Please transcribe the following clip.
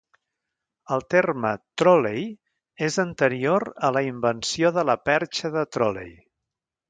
El terme "tròlei" és anterior a la invenció de la perxa de tròlei.